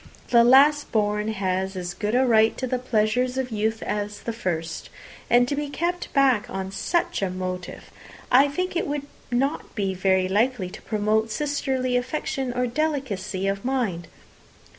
The last born has as good a right to the pleasures of youth as the first. And to be kept back on such a motive! I think it would not be very likely to promote sisterly affection or delicacy of mind."